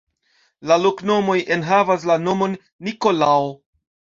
La loknomoj enhavas la nomon Nikolao.